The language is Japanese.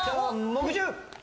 木１０！